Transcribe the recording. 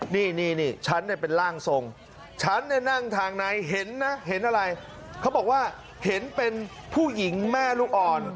นี่ฉันเป็นร่างทรงฉันเนี่ยนั่งทางในเห็นนะเห็นอะไรเขาบอกว่าเห็นเป็นผู้หญิงแม่ลูกอ่อน